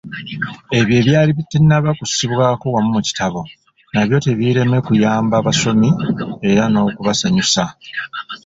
Ebyo ebyali bitannaba kussibwako wamu mu kitabo, nabyo tebiireme kuyamba basomi era n'okubasanyusa.